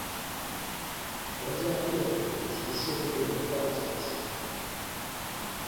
國家電影及視聽文化中心